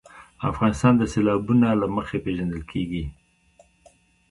افغانستان د سیلابونه له مخې پېژندل کېږي.